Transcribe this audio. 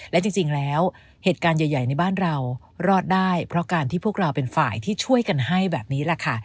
และจริงแล้วเหตุการณ์ใหญ่ในบ้านเรารอดได้เพราะการที่พวกเราเป็นฝ่ายที่ช่วยกันให้แบบนี้แหละค่ะ